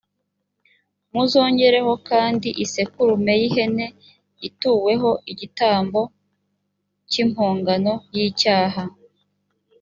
muzongereho kandi isekurume y’ihene ituweho igitambo cy’impongano y’icyaha.